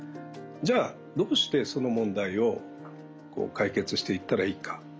じゃあどうしてその問題を解決していったらいいか。